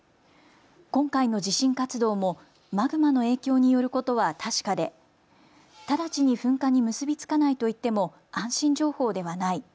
今回の地震活動もマグマの影響によることは確かで直ちに噴火に結び付かないと言っても安心情報ではない。